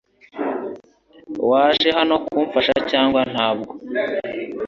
Waje hano kumfasha cyangwa ntabwo